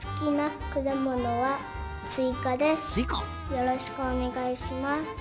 よろしくお願いします。